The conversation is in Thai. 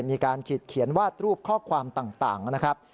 มีการขีดเขียนวาดรูปข้อความต่างนะครับ